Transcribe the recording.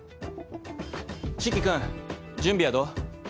四鬼君準備はどう？